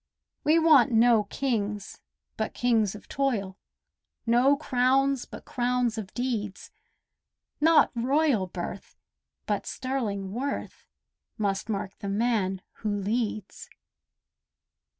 We want no kings but kings of toil— No crowns but crowns of deeds; Not royal birth but sterling worth Must mark the man who leads.